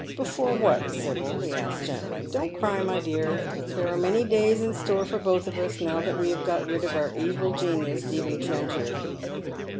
" Before what, Sibyl ?" he asks gently. " Don't cry, my dear. There are quiet days in store for both of us, now that we have got rid of our evil genius, Stephen Trenchard."